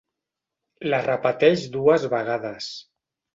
La repeteix dues vegades.